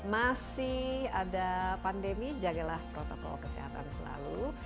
masih ada pandemi jagalah protokol kesehatan selalu